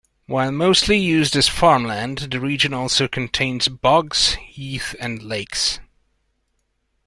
While mostly used as farmland, the region also contains bogs, heath and lakes.